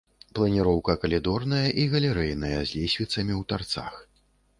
Планіроўка калідорная і галерэйная, з лесвіцамі ў тарцах.